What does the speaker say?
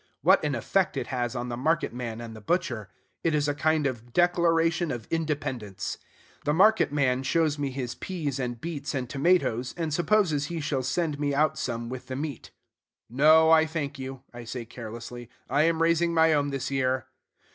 What an effect it has on the market man and the butcher! It is a kind of declaration of independence. The market man shows me his peas and beets and tomatoes, and supposes he shall send me out some with the meat. "No, I thank you," I say carelessly; "I am raising my own this year."